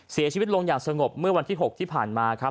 เสียชีวิตลงอย่างสงบเมื่อวันที่๖ที่ผ่านมาครับ